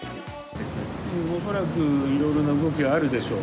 恐らくいろいろな動きがあるでしょう。